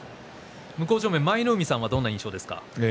舞の海さんはどんな印象ですか？